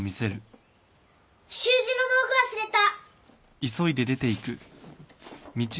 習字の道具忘れた！